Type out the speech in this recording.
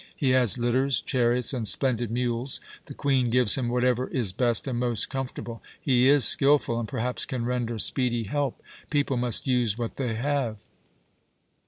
He has litters, chariots, and splendid mules. The Queen gives him whatever is best and most comfortable. He is skilful, and perhaps can render speedy help. People must use what they have."